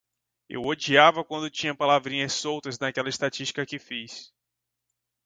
Eu odiava quando tinha palavrinhas soltas naquela estatística que fiz.